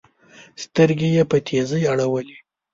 سترګي یې په تېزۍ اړولې